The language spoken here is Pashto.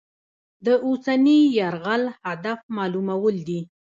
د اوسني یرغل هدف معلومول دي.